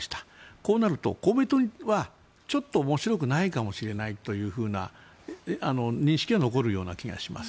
こうなると公明党はちょっと面白くないかもしれないという認識が残るような気がします。